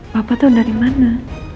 bapak tuh dari mana